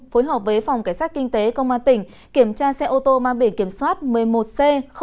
phối hợp với phòng cảnh sát kinh tế công an tỉnh kiểm tra xe ô tô mang biển kiểm soát một mươi một c một nghìn một trăm một mươi một